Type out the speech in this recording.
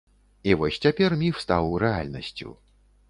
І вось цяпер міф стаў рэальнасцю.